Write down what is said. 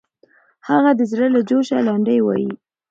هغه د زړه له جوشه لنډۍ وایي.